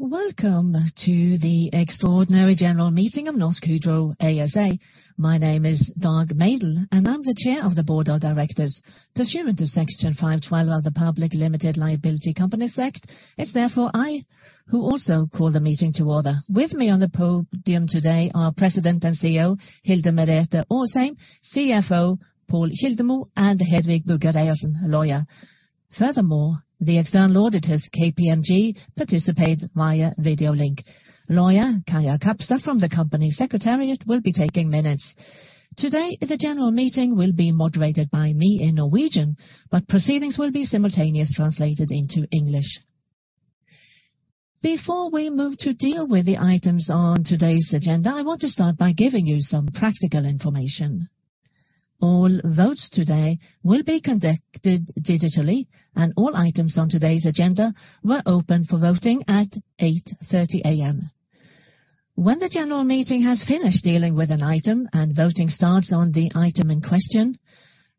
Welcome to the extraordinary general meeting of Norsk Hydro ASA. My name is Dag Mejdell, and I'm the chair of the board of directors. Pursuant to Section 512 of the Public Limited Liability Companies Act, it's therefore I who also call the meeting to order. With me on the podium today are President and CEO Hilde Merete Aasheim, CFO Pål Kildemo, and Hedvig Bugge Reiersen, lawyer. Furthermore, the external auditors, KPMG, participate via video link. Lawyer Kaja Kapstad from the company secretariat will be taking minutes. Today, the general meeting will be moderated by me in Norwegian, but proceedings will be simultaneous translated into English. Before we move to deal with the items on today's agenda, I want to start by giving you some practical information. All votes today will be conducted digitally, and all items on today's agenda were open for voting at 8:30 A.M. When the general meeting has finished dealing with an item and voting starts on the item in question,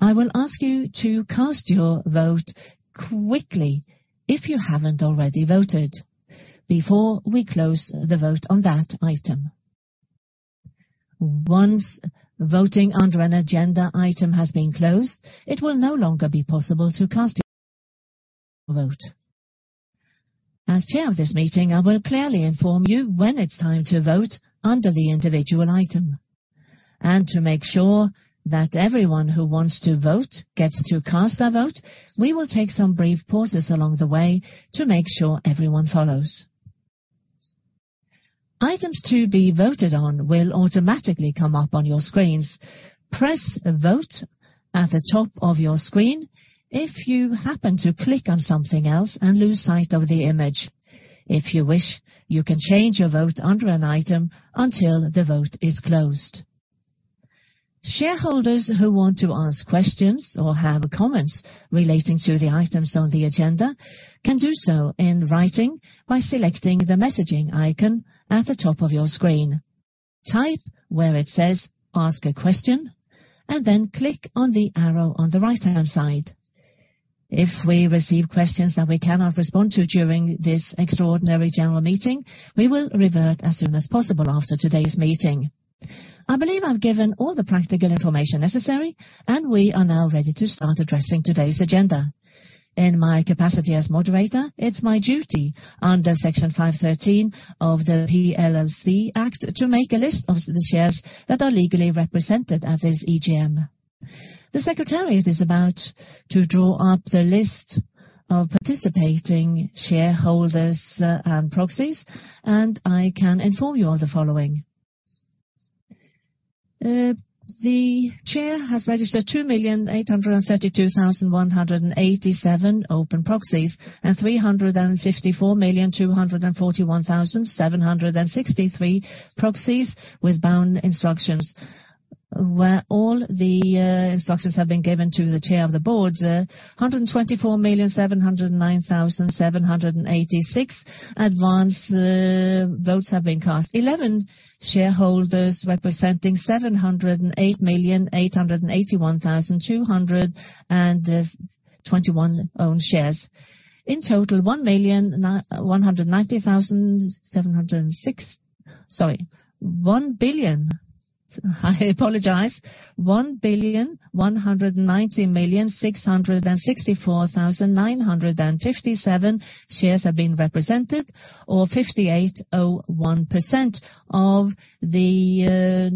I will ask you to cast your vote quickly if you haven't already voted before we close the vote on that item. Once voting under an agenda item has been closed, it will no longer be possible to cast a vote. As chair of this meeting, I will clearly inform you when it's time to vote under the individual item. To make sure that everyone who wants to vote gets to cast their vote, we will take some brief pauses along the way to make sure everyone follows. Items to be voted on will automatically come up on your screens. Press Vote at the top of your screen if you happen to click on something else and lose sight of the image. If you wish, you can change your vote under an item until the vote is closed. Shareholders who want to ask questions or have comments relating to the items on the agenda can do so in writing by selecting the messaging icon at the top of your screen. Type where it says, "Ask a question," and then click on the arrow on the right-hand side. If we receive questions that we cannot respond to during this extraordinary general meeting, we will revert as soon as possible after today's meeting. I believe I've given all the practical information necessary, and we are now ready to start addressing today's agenda. In my capacity as moderator, it's my duty under Section 5-13 of the Public Limited Liability Companies Act to make a list of the shares that are legally represented at this EGM. The secretariat is about to draw up the list of participating shareholders, and proxies, and I can inform you of the following. The Chair has registered 2,832,187 open proxies, and 354,241,763 proxies with bound instructions, where all the instructions have been given to the Chair of the Board. 124,709,786 advance votes have been cast. 11 shareholders representing 708,881,221 own shares. In total, 1,000,190,706. Sorry. I apologize. 1,190,664,957 shares have been represented or 58.01% of the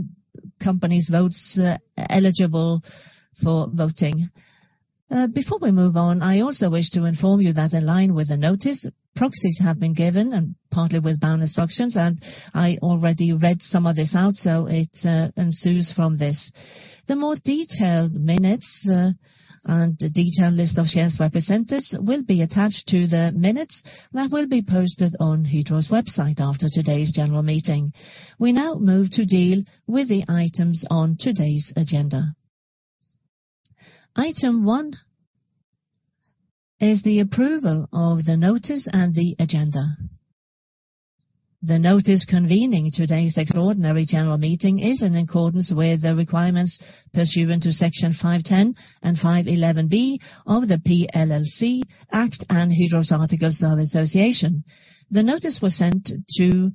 company's votes eligible for voting. Before we move on, I also wish to inform you that in line with the notice, proxies have been given and partly with bound instructions, and I already read some of this out, so it ensues from this. The more detailed minutes and detailed list of shares representatives will be attached to the minutes that will be posted on Hydro's website after today's general meeting. We now move to deal with the items on today's agenda. Item one is the approval of the notice and the agenda. The notice convening today's extraordinary general meeting is in accordance with the requirements pursuant to Section 510 and 511 B of the PLLC Act and Hydro's Articles of Association. The notice was sent to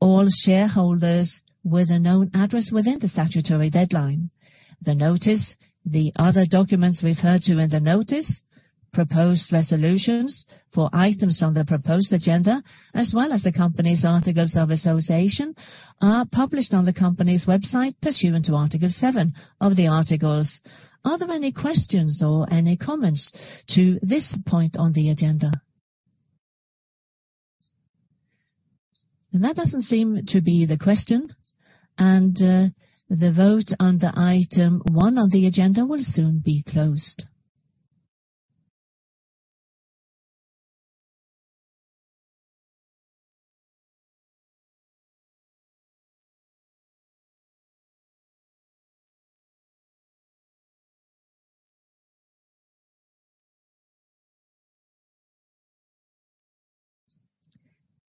all shareholders with a known address within the statutory deadline. The notice, the other documents referred to in the notice, proposed resolutions for items on the proposed agenda, as well as the company's articles of association, are published on the company's website pursuant to Article 7 of the articles. Are there any questions or any comments to this point on the agenda? That doesn't seem to be the question. The vote under item 1 on the agenda will soon be closed.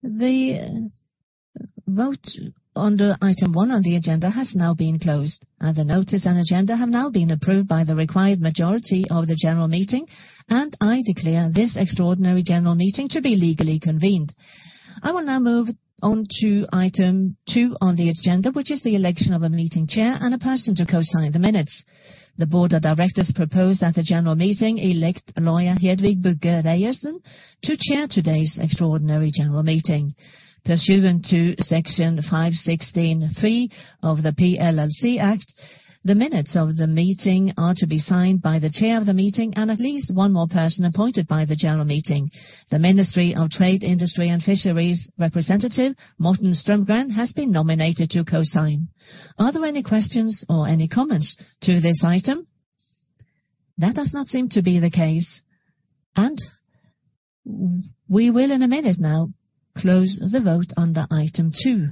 The vote under item one on the agenda has now been closed, and the notice and agenda have now been approved by the required majority of the general meeting, and I declare this extraordinary general meeting to be legally convened. I will now move on to item two on the agenda, which is the election of a meeting chair and a person to co-sign the minutes. The board of directors propose that the general meeting elect Lawyer Hedvig Bugge Reiersen to chair today's extraordinary general meeting. Pursuant to Section 5-16-3 of the PLLC Act, the minutes of the meeting are to be signed by the chair of the meeting and at least one more person appointed by the general meeting. The Ministry of Trade, Industry and Fisheries representative, Morten Strømgren, has been nominated to co-sign. Are there any questions or any comments to this item? That does not seem to be the case, and we will in a minute now close the vote under item two.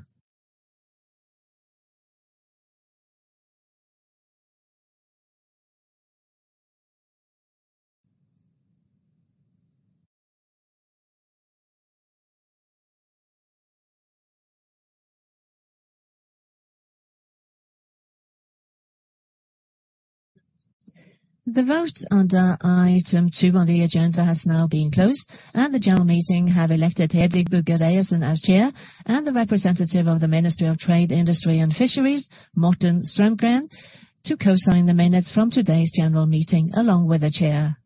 The vote under item two on the agenda has now been closed, and the general meeting have elected Hedvig Bugge Reiersen as chair and the representative of the Ministry of Trade, Industry and Fisheries, Morten Strømgren, to co-sign the minutes from today's general meeting along with the chair.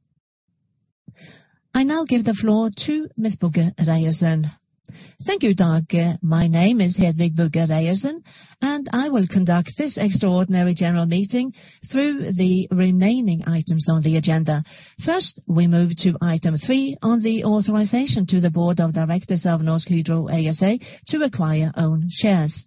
I now give the floor to Ms. Bugge Reiersen. Thank you, Dag. My name is Hedvig Bugge Reiersen, and I will conduct this extraordinary general meeting through the remaining items on the agenda. First, we move to item three on the authorization to the Board of Directors of Norsk Hydro ASA to acquire own shares.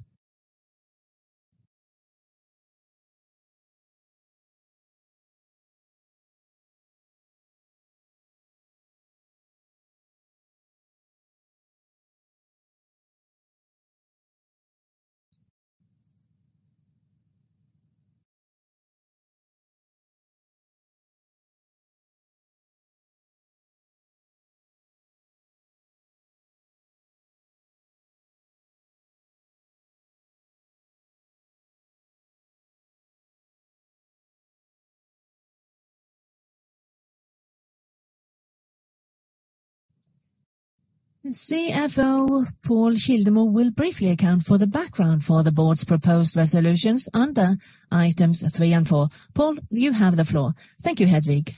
CFO Pål Kildemo will briefly account for the background for the board's proposed resolutions under items three and four. Pål, you have the floor. Thank you, Hedvig.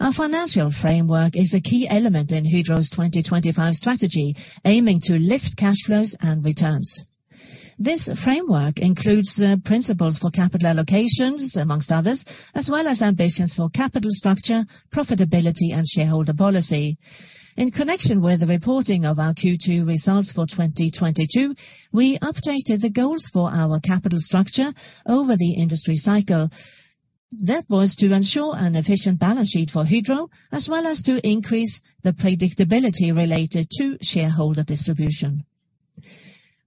Our financial framework is a key element in Hydro's 2025 strategy, aiming to lift cash flows and returns. This framework includes principles for capital allocations, among others, as well as ambitions for capital structure, profitability, and shareholder policy. In connection with the reporting of our Q2 results for 2022, we updated the goals for our capital structure over the industry cycle. That was to ensure an efficient balance sheet for Hydro, as well as to increase the predictability related to shareholder distribution.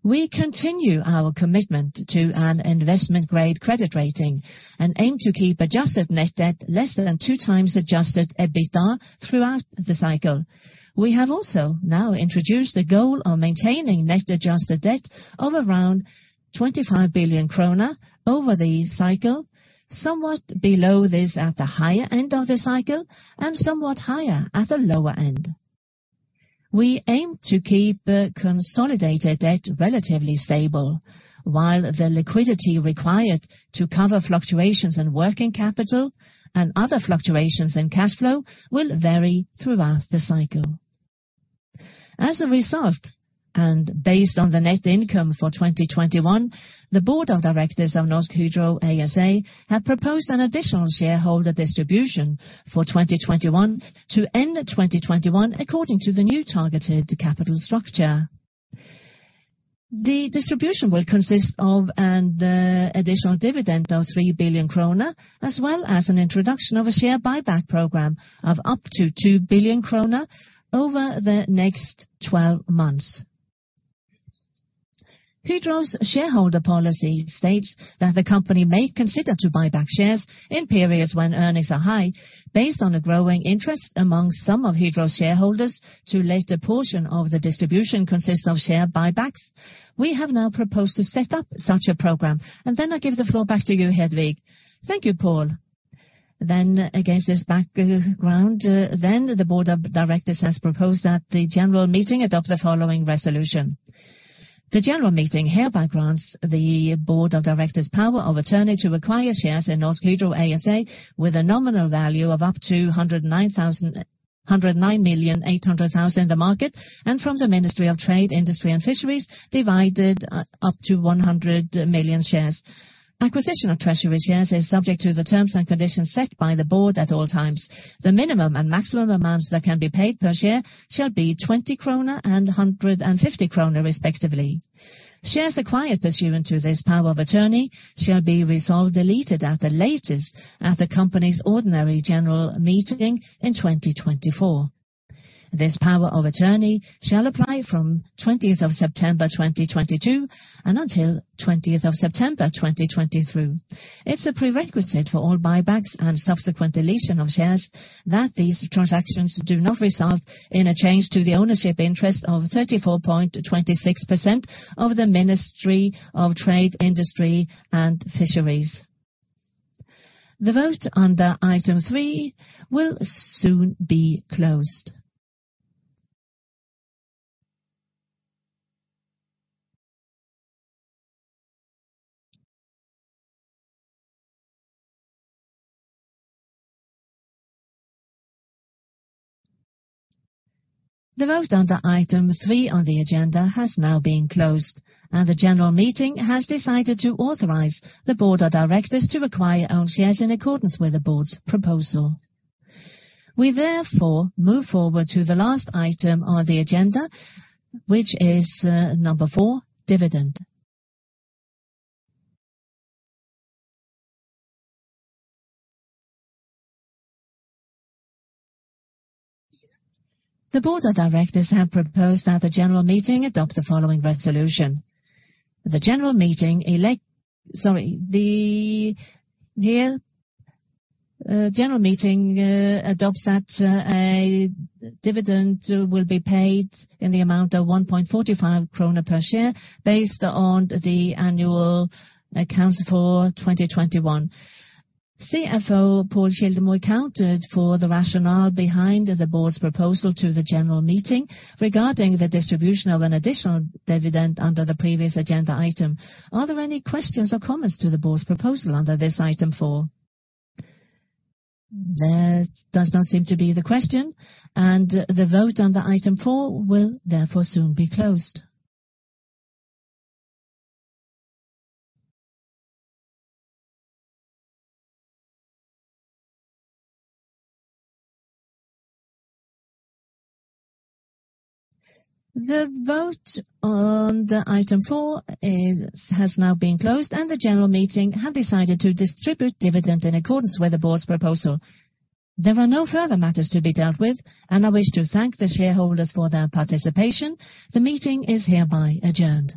We continue our commitment to an investment-grade credit rating and aim to keep adjusted net debt less than two times adjusted EBITDA throughout the cycle. We have also now introduced the goal of maintaining net adjusted debt of around 25 billion kroner over the cycle, somewhat below this at the higher end of the cycle and somewhat higher at the lower end. We aim to keep consolidated debt relatively stable, while the liquidity required to cover fluctuations in working capital and other fluctuations in cash flow will vary throughout the cycle. As a result, based on the net income for 2021, the Board of Directors of Norsk Hydro ASA have proposed an additional shareholder distribution for 2021 to end 2021 according to the new targeted capital structure. The distribution will consist of an additional dividend of 3 billion krone, as well as an introduction of a share buyback program of up to 2 billion krone over the next 12 months. Hydro's shareholder policy states that the company may consider to buy back shares in periods when earnings are high based on a growing interest among some of Hydro's shareholders to let a portion of the distribution consist of share buybacks. We have now proposed to set up such a program. I give the floor back to you, Hedvig. Thank you, Pål. Against this background, the board of directors has proposed that the general meeting adopt the following resolution. The general meeting hereby grants the board of directors power of attorney to acquire shares in Norsk Hydro ASA with a nominal value of up to 109,800,000 in the market and from the Ministry of Trade, Industry and Fisheries, divided up to 100 million shares. Acquisition of treasury shares is subject to the terms and conditions set by the board at all times. The minimum and maximum amounts that can be paid per share shall be 20 kroner and 150 kroner respectively. Shares acquired pursuant to this power of attorney shall be resolved, deleted at the latest at the company's ordinary general meeting in 2024. This power of attorney shall apply from 20th of September 2022 and until 20th of September 2023. It's a prerequisite for all buybacks and subsequent deletion of shares that these transactions do not result in a change to the ownership interest of 34.26% of the Ministry of Trade, Industry and Fisheries. The vote under item three will soon be closed. The vote under item three on the agenda has now been closed, and the general meeting has decided to authorize the board of directors to acquire own shares in accordance with the board's proposal. We therefore move forward to the last item on the agenda, which is number four, dividend. The board of directors have proposed that the general meeting adopt the following resolution. The general meeting adopts that a dividend will be paid in the amount of 1.45 krone per share based on the annual accounts for 2021. CFO Pål Kildemo accounted for the rationale behind the board's proposal to the general meeting regarding the distribution of an additional dividend under the previous agenda item. Are there any questions or comments to the board's proposal under this item four? There does not seem to be the question, and the vote under item four will therefore soon be closed. The vote on the item four has now been closed, and the general meeting have decided to distribute dividend in accordance with the board's proposal. There are no further matters to be dealt with, and I wish to thank the shareholders for their participation. The meeting is hereby adjourned.